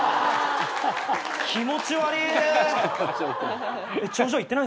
気持ち悪い！